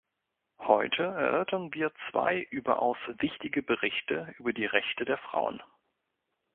Heute erörtern wir zwei überaus wichtige Berichte über die Rechte der Frauen.